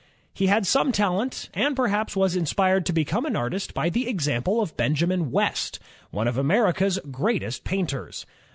He had some talent, and perhaps was inspired to be come an artist by the example of Benjamin West, one of America's greatest painters.